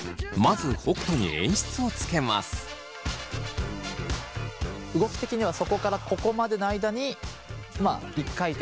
まず動き的にはそこからここまでの間に一回転したりとか。